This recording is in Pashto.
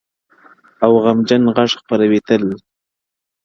او غمجن غږ خپروي تل,